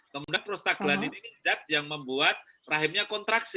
kemudian prostaglanin ini zat yang membuat rahimnya kontraksi